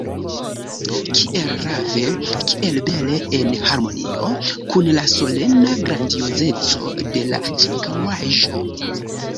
Kiel rave, kiel bele en harmonio kun la solena grandiozeco de la ĉirkaŭaĵo!